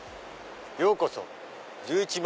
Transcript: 「ようこそ１１万